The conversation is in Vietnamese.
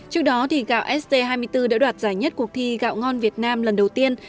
trước đó gạo st hai mươi bốn đã đoạt giải nhất cuộc thi gạo ngon việt nam lần đầu tiên